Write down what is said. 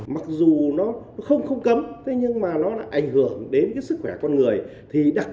mặc dù nó không cấm nhưng mà nó ảnh hưởng đến sức khỏe con người